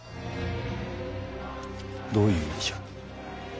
どういう意味じゃ。